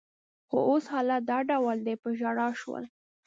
خو اوس حالت دا ډول دی، په ژړا شول.